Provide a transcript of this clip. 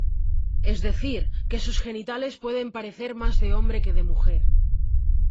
Es decir, que sus genitales pueden parecer más de hombre que de mujer.